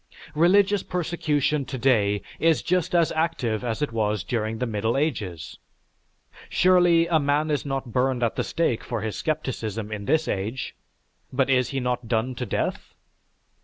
Religious persecution today is just as active as it was during the Middle Ages. Surely, a man is not burned at the stake for his scepticism in this age; but is he not done to death?